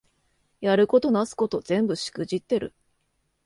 やることなすこと全部しくじってる